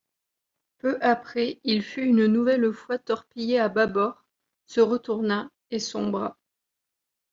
Peu après, il fut une nouvelle fois torpillé à bâbord, se retourna et sombra.